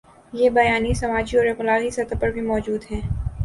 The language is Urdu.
یہ بیانیے سماجی اور ابلاغی سطح پر بھی موجود ہیں۔